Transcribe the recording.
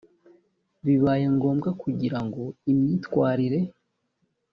bibaye ngombwa kugira ngo imyitwarire